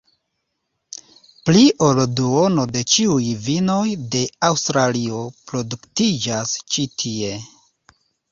Pli ol duono de ĉiuj vinoj de Aŭstralio produktiĝas ĉi tie.